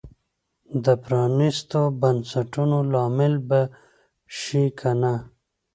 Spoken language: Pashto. د پرانیستو بنسټونو لامل به شي که نه.